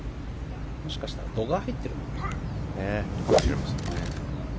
もしかしたら度が入ってるのかな。